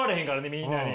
みんなに。